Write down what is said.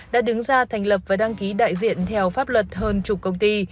đã đứng ra thành lập và đăng ký đại diện theo pháp luật hơn chục công ty